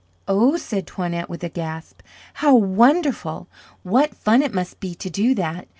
"Oh," said Toinette, with a gasp. "How wonderful. What fun it must be to do that.